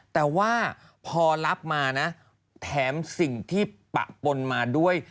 แต่ว่าพอรับมานะแถมสิ่งที่ปะปนมาด้วย